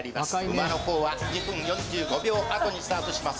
馬の方は２分４５秒あとにスタートします